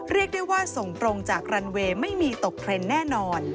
เรียกได้ว่าส่งตรงจากรันเวย์ไม่มีตกเทรนด์แน่นอน